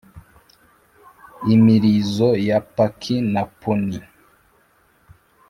imirizo ya paki na pony.